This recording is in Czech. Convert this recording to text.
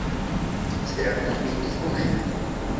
Zdraví není zboží.